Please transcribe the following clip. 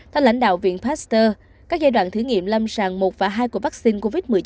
theo lãnh đạo viện pasteur các giai đoạn thử nghiệm lâm sàng một và hai của vaccine covid một mươi chín